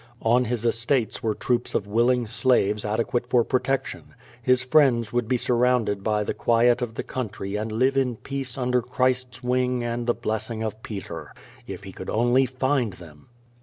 On his estates were troops of willing slaves adequate for protection. His friends would be surrounded by the quiet of the country and live in peace un der Christ's wing and the blessing of Peter. If he could only find them!